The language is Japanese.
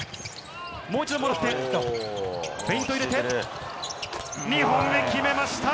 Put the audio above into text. もう一度もらって、フェイント入れて、２本目決めました。